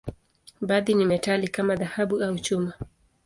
Baadhi ni metali, kama dhahabu au chuma.